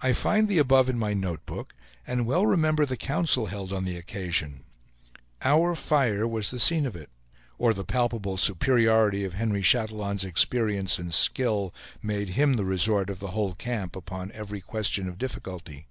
I find the above in my notebook, and well remember the council held on the occasion. Our fire was the scene of it; or the palpable superiority of Henry Chatillon's experience and skill made him the resort of the whole camp upon every question of difficulty.